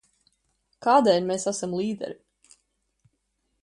Kādēļ mēs esam līderi?